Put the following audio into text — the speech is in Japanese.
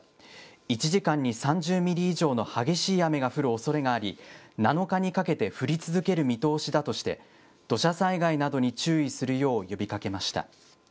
１時間に３０ミリ以上の激しい雨が降るおそれがあり、７日にかけて降り続ける見通しだとして、土砂災害などに注意するよう呼びかけました。